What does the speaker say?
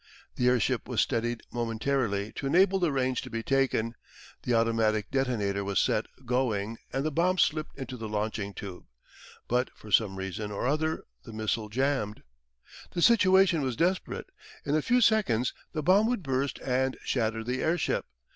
The airship was steadied momentarily to enable the range to be taken, the automatic detonator was set going and the bomb slipped into the launching tube. But for some reason or other the missile jambed. The situation was desperate. In a few seconds the bomb would burst and shatter the airship.